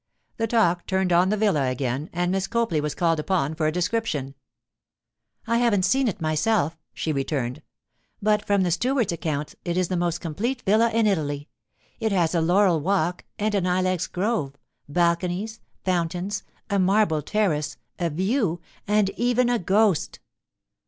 The talk turned on the villa again, and Miss Copley was called upon for a description. 'I haven't seen it myself,' she returned; 'but from the steward's account it is the most complete villa in Italy. It has a laurel walk and an ilex grove, balconies, fountains, a marble terrace, a view, and even a ghost.